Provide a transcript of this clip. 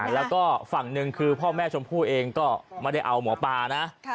แล้วก็ฝั่งหนึ่งคือพ่อแม่ชมพู่เองก็ไม่ได้เอาหมอปลานะ